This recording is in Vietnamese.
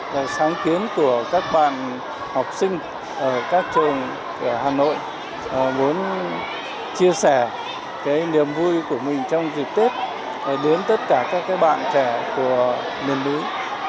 và sáng kiến của các bạn học sinh ở các trường của hà nội muốn chia sẻ cái niềm vui của mình trong dịp tết đến tất cả các bạn trẻ của miền núi